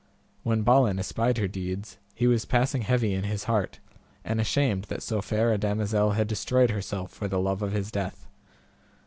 When Balin espied her deeds, he was passing heavy in his heart, and ashamed that so fair a damosel had destroyed herself for the love of his death.